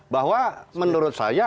bahwa menurut saya